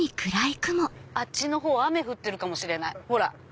あっちの方雨降ってるかもしれない。